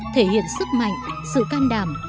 thể hiện sức mạnh sự can đảm